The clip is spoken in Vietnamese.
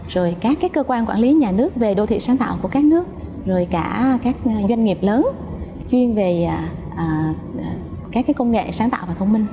rồi các cơ quan quản lý nhà nước về đô thị sáng tạo của các nước rồi cả các doanh nghiệp lớn chuyên về các công nghệ sáng tạo và thông minh